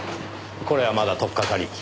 これはまだとっかかり。